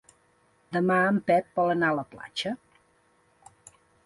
Demà en Pep vol anar a la platja.